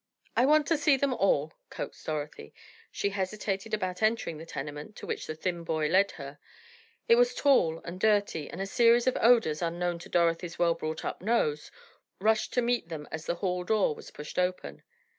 "I want to see them all," coaxed Dorothy. She hesitated about entering the tenement to which the thin boy led her. It was tall and dirty and a series of odors, unknown to Dorothy's well brought up nose, rushed to meet them as the hall door was pushed open.